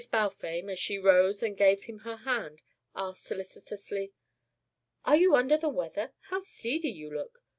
Balfame, as she rose and gave him her hand, asked solicitously: "Are you under the weather? How seedy you look.